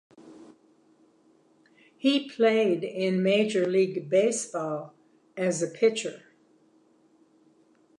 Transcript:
He played in Major League Baseball as a pitcher.